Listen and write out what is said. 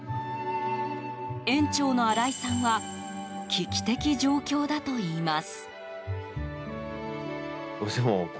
園長の荒井さんは危機的状況だといいます。